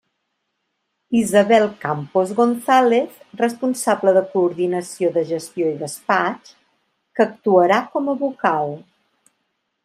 Isabel Campos González, responsable de Coordinació de Gestió i Despatx, que actuarà com a vocal.